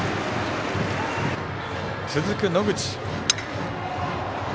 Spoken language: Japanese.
続く野口。